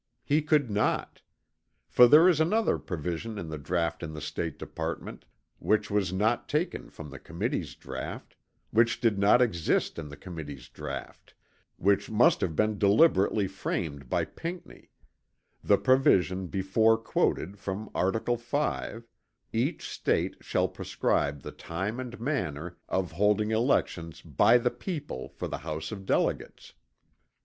He could not! For there is another provision in the draught in the State Department which was not taken from the committee's draught which did not exist in the committee's draught which must have been deliberately framed by Pinckney the provision before quoted from article 5, "Each State shall prescribe the time and manner of holding elections by the people for the House of Delegates."